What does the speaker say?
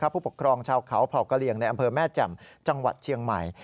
ผู้ปกครองชาวเขาเผ่ากะเหลี่ยงในอำเภอแม่แจ่มจังหวัดเชียงใหม่